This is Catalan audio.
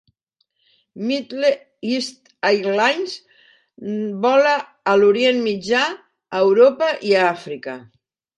Middle East Airlines vola a l'Orient Mitjà, a Europa i a Àfrica.